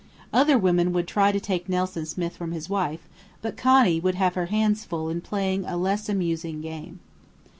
Other women would try to take Nelson Smith from his wife, but Connie would have her hands full in playing a less amusing game.